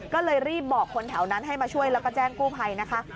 ก็เลยรีบบอกคนแถวนั้นให้มาช่วยแล้วก็แจ้งกู้ภัยนะคะ